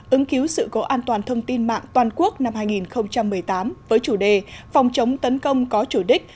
ứng cứu sự cố an toàn thông tin mạng toàn quốc năm hai nghìn một mươi tám với chủ đề phòng chống tấn công có chủ đích